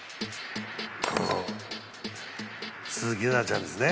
鈴木奈々ちゃんですね。